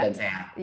sibuk dan sehat